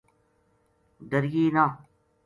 ڈریے نہ